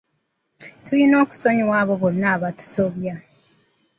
Tulina okusonyiwa abo bonna abatusobya.